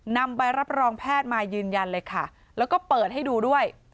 นำใบรับรองแพทย์มายืนยันเลยค่ะแล้วก็เปิดให้ดูด้วย